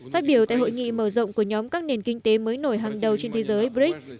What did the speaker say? phát biểu tại hội nghị mở rộng của nhóm các nền kinh tế mới nổi hàng đầu trên thế giới brics